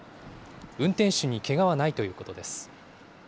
運転手にけがはないということです。